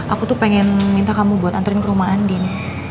aku tuh pengen minta kamu buat antarin ke rumah andin